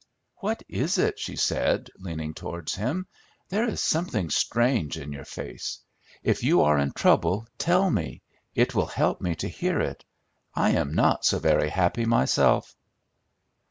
"What is it?" she said, leaning towards him. "There is something strange in your face. If you are in trouble, tell me; it will help me to hear it. I am not so very happy myself."